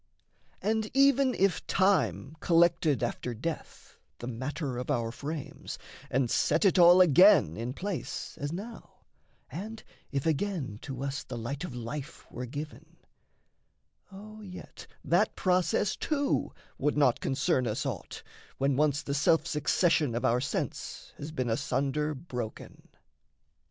And, even if time collected after death The matter of our frames and set it all Again in place as now, and if again To us the light of life were given, O yet That process too would not concern us aught, When once the self succession of our sense Has been asunder broken.